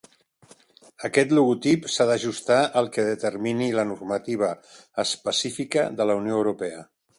Aquest logotip s'ha d'ajustar al que determini la normativa específica de la Unió Europea.